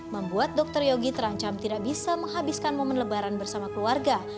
membuat dokter yogi terancam tidak bisa menghabiskan momen lebaran bersama keluarga